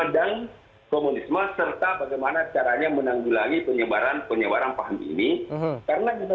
silaturahmi ketemu dengan teman teman di gramedia yang menjual jadi kami ingin menyampaikan kepada mereka tentang bahaya penyebaran paham marxisme leninisme dan kebenisme